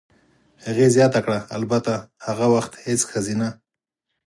هغې زیاته کړه: "البته، هغه وخت هېڅ ښځینه.